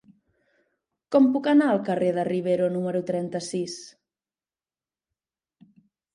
Com puc anar al carrer de Rivero número trenta-sis?